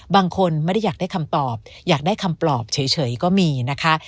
บางคนไม่ได้อยากได้คำตอบอยากได้คำปลอบเฉยก็มีนะคะ